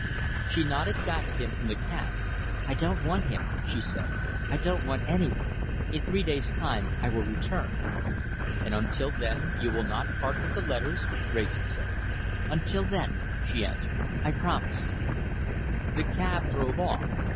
She nodded back at him from the cab. "I don't want him," she said. "I don't want any one. In three days' time I will return." "And until then you will not part with the letters?" Wrayson said. "Until then," she answered, "I promise." The cab drove off.